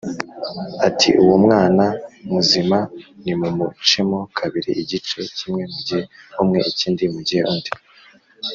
ati “Uwo mwana muzima nimumucemo kabiri igice kimwe mugihe umwe, ikindi mugihe undi”